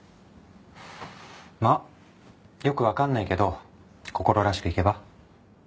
まあよくわかんないけどこころらしくいけば？